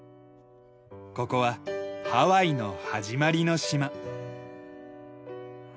ここはハワイの始まりの島。